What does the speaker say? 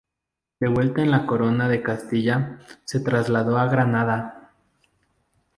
De vuelta a la Corona de Castilla, se trasladó a Granada.